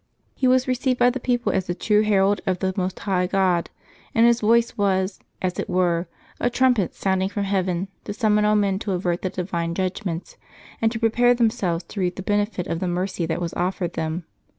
He was re ceived by the people as the true herald of the Most High God, and his voice was, as it were, a trumpet sounding from heaven to summon all men to avert the divine judg ments, and to prepare themselves to reap the benefit of the mercy that was offered them.